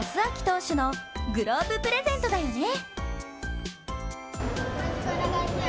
投手のグローブプレゼントだよね。